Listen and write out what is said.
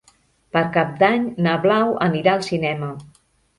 Per Cap d'Any na Blau anirà al cinema.